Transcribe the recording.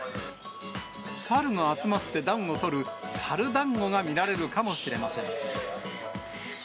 猿が集まって暖をとる、猿だんごが見られるかもしれません。